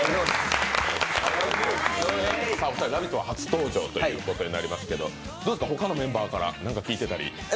さあお二人、「ラヴィット！」は初登場になりますけれどもどうですか、他のメンバーから何か聞いてたり？